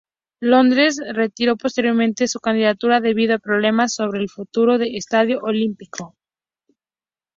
Londres retiró posteriormente su candidatura debido a problemas sobre el futuro del Estadio Olímpico.